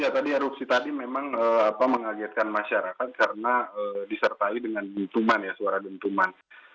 ya tadi erupsi tadi memang mengagetkan masyarakat karena disertai dengan dentuman ya suara dentuman